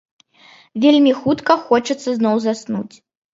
Вельмі хутка хочацца зноў заснуць.